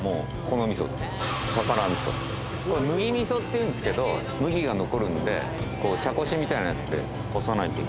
麦味噌っていうんですけど麦が残るんで茶こしみたいなやつでこさないと。